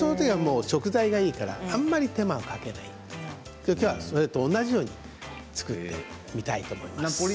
食材がいいからあんまり手間をかけないでそれと同じように作ってみたいと思います。